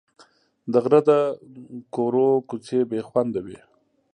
د غره د کورو کوڅې بې خونده وې.